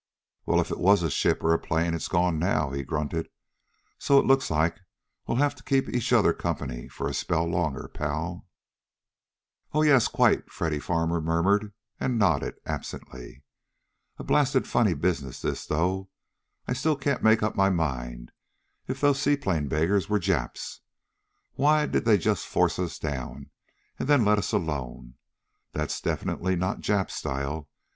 "Well, if it was a ship or a plane, it's gone now," he grunted. "So it looks like we'll have to keep each other company for a spell longer, pal." "Oh, yes, quite," Freddy Farmer murmured, and nodded absently. "A blasted funny business this, though. I still can't make up my mind if those seaplane beggars were Japs. Why did they just force us down, and then let us alone? That's definitely not Jap style.